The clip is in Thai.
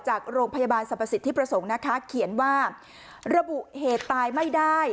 จากโรงพยาบาลสรรพสิทธิประสงค์นะคะเขียนว่าระบุเหตุตายไม่ได้